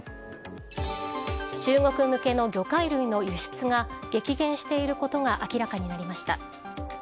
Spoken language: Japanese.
中国向けの魚介類の輸出が激減していることが明らかになりました。